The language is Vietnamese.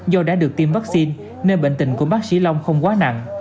do đã được tiêm vaccine nên bệnh tình của bác sĩ long không quá nặng